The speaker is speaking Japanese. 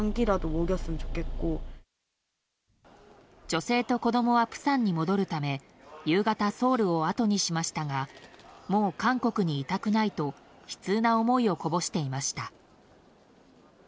女性と子供は釜山に戻るため夕方、ソウルをあとにしましたがもう韓国にいたくないと悲痛な思いをこぼしていました。